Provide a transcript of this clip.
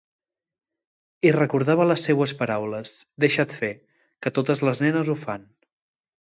I recordava les seues paraules, deixa't fer, que totes les nenes ho fan...